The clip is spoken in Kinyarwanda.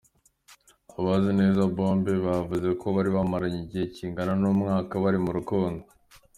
Abazi neza bombi bavuze ko bari bamaranye igihe kingana n’ umwaka bari mu rukundo .